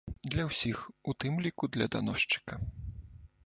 Для ўсіх, у тым ліку для даносчыка.